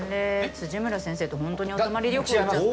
辻村先生とホントにお泊まり旅行行っちゃった。